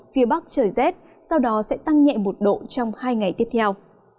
phía bắc trời rét sau đó sẽ tăng nhẹ một độ trong hai ngày tiếp theo